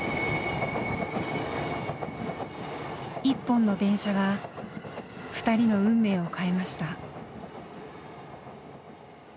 一本の電車が二人の運命を変えました。